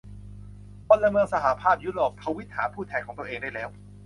พลเมืองสหภาพยุโรป ทวีตหาผู้แทนของตัวเองได้แล้ว